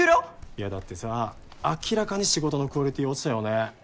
⁉いやだってさ明らかに仕事のクオリティー落ちたよね。